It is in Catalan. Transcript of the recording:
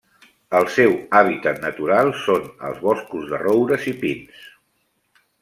El seu hàbitat natural són els boscos de roures i pins.